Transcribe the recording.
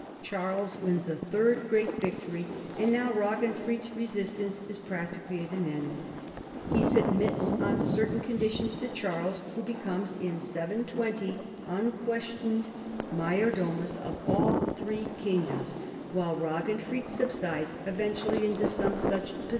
Charles wins a third great victorv, and now Raginfrid's resistance is practically at an end. He submits on certain conditions to Charles, who becomes (in 720) unques tioned major doiiius of all three kingdoms, while Raginfrid subsides eventually into some such posi 52 CHARLEMAGNE.